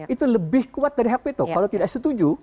itu lebih kuat dari hak veto kalau tidak setuju